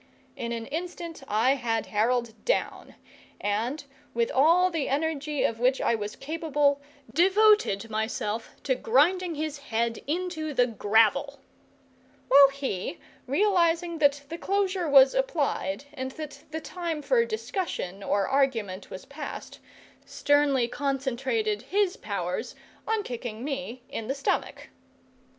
In an instant I had Harold down, and, with all the energy of which I was capable, devoted myself to grinding his head into the gravel; while he, realizing that the closure was applied, and that the time for discussion or argument was past, sternly concentrated his powers on kicking me in the stomach.